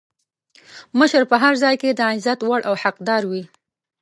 مشر په هر ځای کې د عزت وړ او حقدار وي.